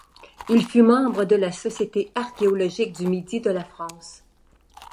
Il fut membre de la Société archéologique du Midi de la France.